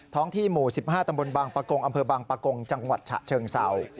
ท้องที่หมู่๑๕ตำรวจบปกงษ์อำเภอบปกงษ์จังหวัดชะเชิงเศร้า